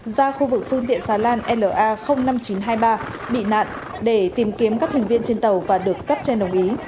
ra khu vực phương tiện xà lan la năm nghìn chín trăm hai mươi ba bị nạn để tìm kiếm các thành viên trên tàu và được cấp trên đồng ý